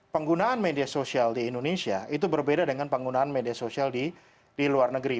penggunaan media sosial di indonesia itu berbeda dengan penggunaan media sosial di luar negeri